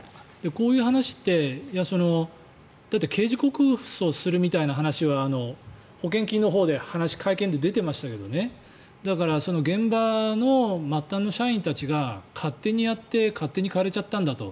こういう話ってだって刑事告訴するみたいな話は保険金のほうで話が会見で出てましたけどねだからその現場の末端の社員たちが勝手にやって勝手に枯れちゃったんだと。